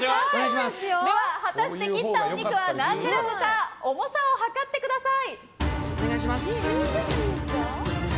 では、果たして切ったお肉は何グラムか量ってください。